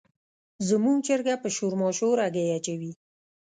زموږ چرګه په شور ماشور هګۍ اچوي.